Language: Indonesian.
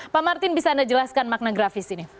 pak martin bisa anda jelaskan makna grafis ini